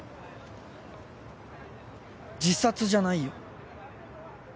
自殺じゃないよ。